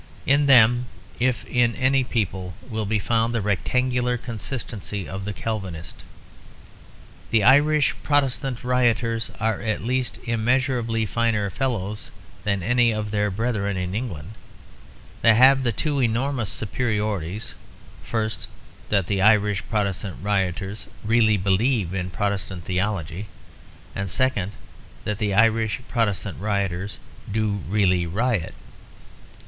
In them, if in any people, will be found the rectangular consistency of the Calvinist. The Irish Protestant rioters are at least immeasurably finer fellows than any of their brethren in England. They have the two enormous superiorities: first, that the Irish Protestant rioters really believe in Protestant theology; and second, that the Irish Protestant rioters do really riot.